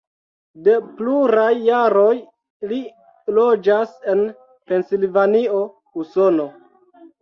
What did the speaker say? De pluraj jaroj li loĝas en Pensilvanio, Usono.